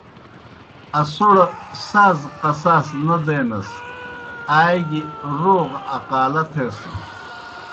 اسوڑ ساز قصاص نہ دینَس آ گیْ روغ اقالہ تھیسَن۔